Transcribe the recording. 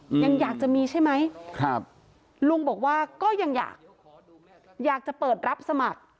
ยังอยากจะมีใช่ไหมครับลุงบอกว่าก็ยังอยากอยากจะเปิดรับสมัคร